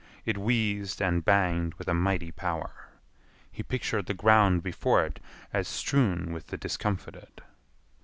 It wheezed and banged with a mighty power. He pictured the ground before it as strewn with the discomfited.